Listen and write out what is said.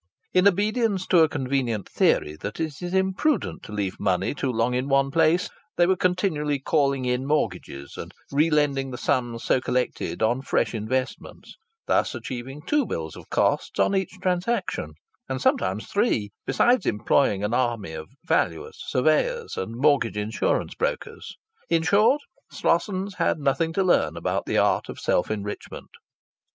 In obedience to a convenient theory that it is imprudent to leave money too long in one place, they were continually calling in mortgages, and re lending the sums so collected on fresh investments, thus achieving two bills of costs on each transaction, and sometimes three, besides employing an army of valuers, surveyors and mortgage insurance brokers. In short, Slossons had nothing to learn about the art of self enrichment.